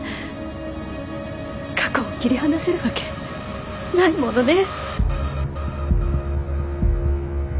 過去を切り離せるわけないものね。